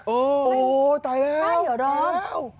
โอ้โฮตายแล้วตายแล้ว